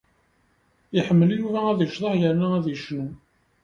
Iḥemmel Yuba ad yecḍeḥ yerna ad yecnu.